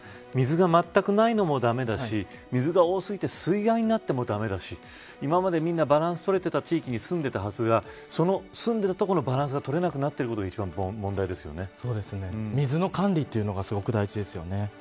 水がまったくないのもだめだし水が多すぎになってもだめだし今まで皆、バランスが取れていた地域に住んでいたはずが住んでいるところのバランスが取れなくなっていることが水の管理がすごく大事です。